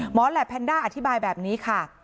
แหลปแพนด้าอธิบายแบบนี้ค่ะ